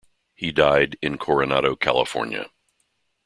He died in Coronado, California.